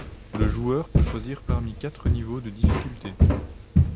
Le joueur peut choisir parmi quatre niveaux de difficulté.